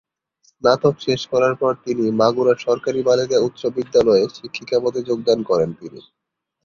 স্নাতক শেষ করার পর তিনি মাগুরা সরকারি বালিকা উচ্চ বিদ্যালয়ে শিক্ষিকা পদে যোগদান করেন তিনি।